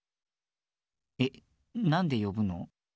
えなんでよぶの？